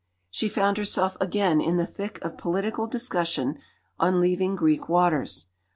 She found herself again in the thick of political discussion on leaving Greek waters.